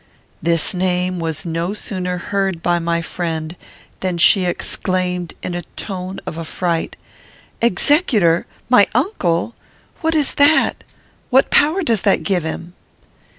This name was no sooner heard by my friend, than she exclaimed, in a tone of affright, "Executor! My uncle! What is that? What power does that give him?"